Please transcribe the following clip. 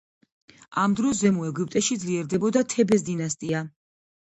ამ დროს ზემო ეგვიპტეში ძლიერდებოდა თებეს დინასტია.